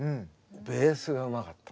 ベースがうまかった。